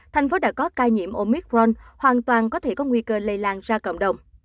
thành phố đã có ca nhiễm omicron hoàn toàn có thể có nguy cơ lây lan ra cộng đồng